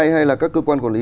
hay là các cơ quan quản lý